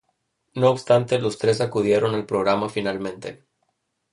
No obstante, los tres acudieron al programa finalmente.